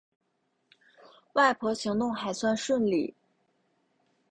外婆行动还算顺利